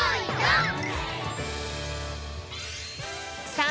さあ